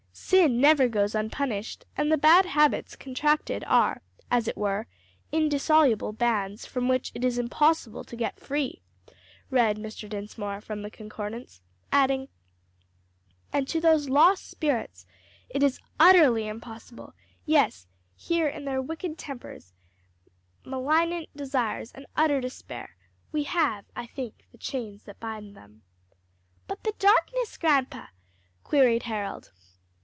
Sin never goes unpunished, and the bad habits contracted are, as it were, indissoluble bands from which it is impossible to get free," read Mr. Dinsmore from the Concordance, adding, "and to those lost spirits it is utterly impossible; yes, here in their wicked tempers, malignant desires and utter despair, we have, I think, the chains that bind them." "But the darkness, grandpa?" queried Harold.